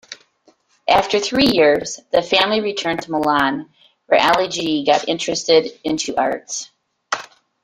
After three years, the family returned to Milan, where Aligi got interested into arts.